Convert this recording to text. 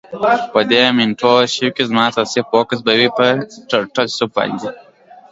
په دی مینټور شیپ کی زما اساسی فوکس به وی په ټرټل سوپ باندی.